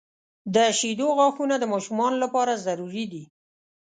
• د شیدو غاښونه د ماشومانو لپاره ضروري دي.